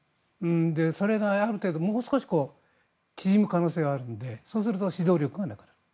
それがある程度もう少し縮む可能性があるのでそうすると指導力がなくなる。